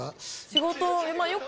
仕事。